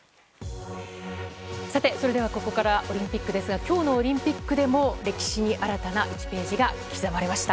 さて、ここからオリンピックですが今日のオリンピックでも歴史に新たな１ページが刻まれました。